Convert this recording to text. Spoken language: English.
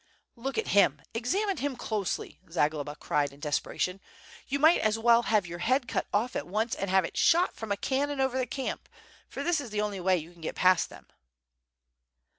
"Look at him! examine him closely!" Zagloba cried in desperation, "you might as well have your head cut off at once and have it shot from a cannon over the camp, for this is the only way you can get past them."